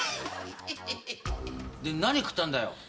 何食ったんだよ？